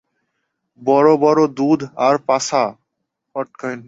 বড় বড় দুধ আর পাছা।